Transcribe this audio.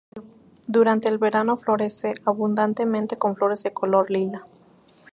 Durante el verano florece abundantemente con flores de color lila.